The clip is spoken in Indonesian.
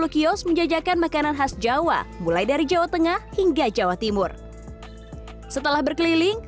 sepuluh kios menjajakan makanan khas jawa mulai dari jawa tengah hingga jawa timur setelah berkeliling